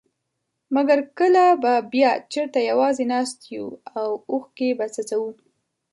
مګر کله به بيا چېرته يوازي ناست يو او اوښکي به څڅوو.